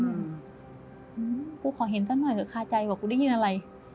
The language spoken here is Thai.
อืมกูขอเห็นสักหน่อยเถอะคาใจว่ากูได้ยินอะไร